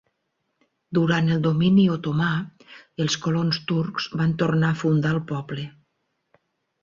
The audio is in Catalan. Durant el domini otomà, els colons turcs van tornar a fundar el poble.